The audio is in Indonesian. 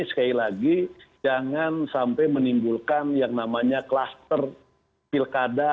sekali lagi jangan sampai menimbulkan yang namanya kluster pilkada